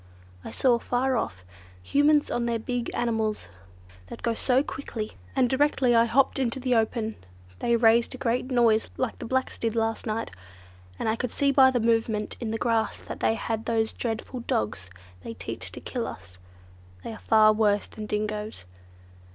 I saw, far off, Humans on their big animals that go so quickly, and directly I hopped into the open, they raised a great noise like the blacks did last night, and I could see by the movement in the grass that they had those dreadful dogs they teach to kill us: they are far worse than dingoes.